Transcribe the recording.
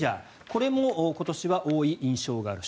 これも今年は多い印象がある。